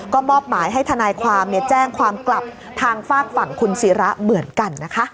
ก็มอบหมายให้ทนายความแจ้งความกลับทางฝากฝั่งคุณศิระเหมือนกันนะคะ